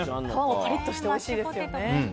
カリッとしておいしいですよね。